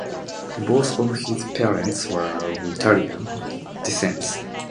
Both of his parents were of Italian descent.